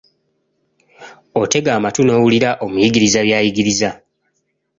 Otega amatu n'owulira omuyigiriza by'ayigiriza.